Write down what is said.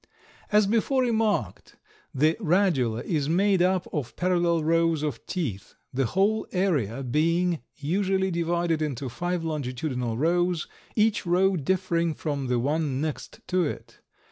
As before remarked, the radula is made up of parallel rows of teeth, the whole area being usually divided into five longitudinal rows, each row differing from the one next to it.